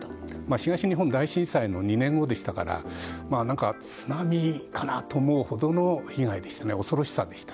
東日本大震災の２年後でしたから津波かなと思うほどの被害でしたね、恐ろしさでした。